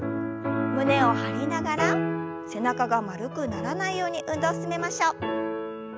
胸を張りながら背中が丸くならないように運動を進めましょう。